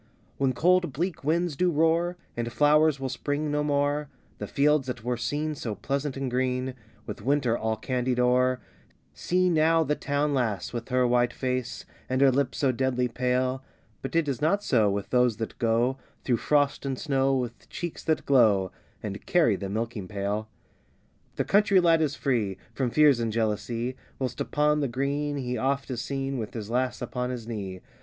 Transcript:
When cold bleak winds do roar, And flowers will spring no more, The fields that were seen so pleasant and green, With winter all candied o'er, See now the town lass, with her white face, And her lips so deadly pale; But it is not so, with those that go Through frost and snow, with cheeks that glow, And carry the milking pail. The country lad is free From fears and jealousy, Whilst upon the green he oft is seen, With his lass upon his knee.